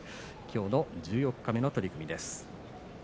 きょうの十四日目の取組です。